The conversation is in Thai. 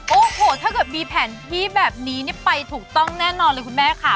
โอ้โหถ้าเกิดมีแผนที่แบบนี้ไปถูกต้องแน่นอนเลยคุณแม่ค่ะ